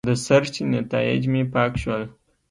د سرچ نیتایج مې پاک شول.